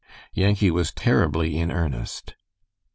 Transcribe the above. Yankee was terribly in earnest.